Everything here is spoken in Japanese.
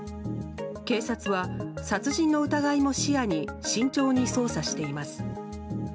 警察は、殺人の疑いも視野に慎重に捜査しています。